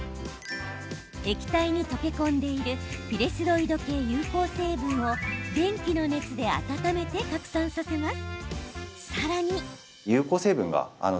液体に溶け込んでいるピレスロイド系有効成分を電気の熱で温めて拡散させます。